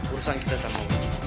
urusan kita sama